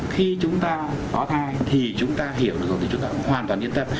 khi chúng ta có thai thì chúng ta hiểu được rồi thì chúng ta cũng hoàn toàn yên tâm